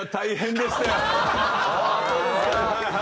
ああそうですか！